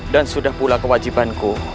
dan sudah pula kewajibanku